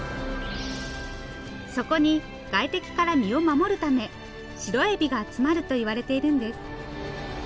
そこに外敵から身を守るためシロエビが集まるといわれているんです。